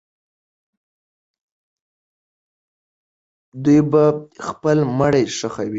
دوی به خپل مړي ښخوي.